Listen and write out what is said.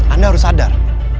anda harus sadar